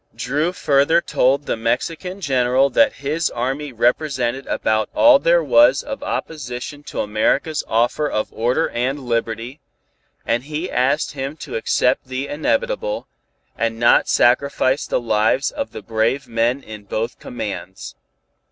Dru further told General Benevides that his army represented about all there was of opposition to America's offer of order and liberty, and he asked him to accept the inevitable, and not sacrifice the lives of the brave men in both commands.